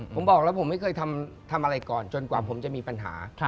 ผมบอกแล้วผมไม่เคยทำอะไรก่อนจนกว่าผมจะมีปัญหา